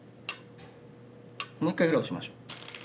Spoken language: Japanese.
もう一回ぐらいオシましょう。